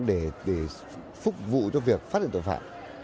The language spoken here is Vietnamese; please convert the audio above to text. để phục vụ cho việc phát triển tội phạm